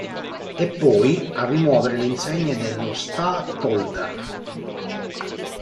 Eppoi a rimuovere le insegne dello statolder.